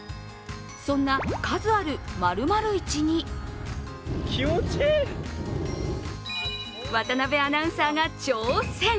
そんな、数ある○○イチに渡部アナウンサーが挑戦。